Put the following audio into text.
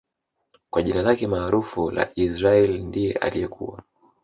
kwa jina lake maarufu la Israaiyl ndiye aliyekuwa